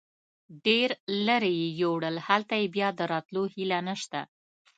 ډېر لرې یې یوړل، هلته چې بیا د راتلو هیله نشته.